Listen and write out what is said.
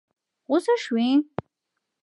غوسه شوې؟